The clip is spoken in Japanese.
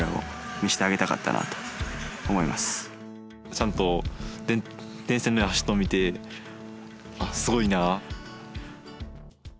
ちゃんと電線の上走っとんの見てすごいな。